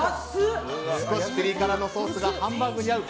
少しピリ辛のソースがハンバーグに合う！